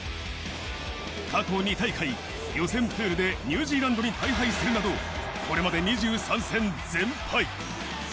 過去２大会、予選プールでニュージーランドに敗退するなど、これまで２３戦全敗。